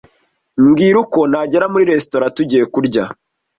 Mbwira uko nagera muri resitora tugiye kurya.